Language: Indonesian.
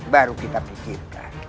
baru kita pikirkan